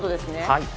はい。